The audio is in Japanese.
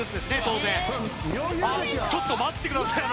当然ちょっと待ってください